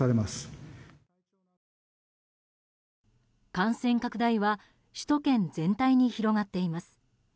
感染拡大は首都圏全体に広がっています。